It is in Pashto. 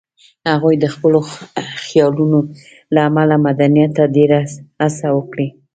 هغوی د خپلو خیالونو له امله مدنیت ته ډېر څه ورکړي